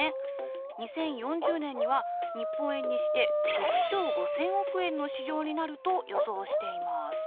２０４０年には日本円にして６兆５，０００億円の市場になると予想しています。